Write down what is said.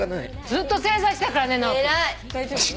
ずっと正座してたからね。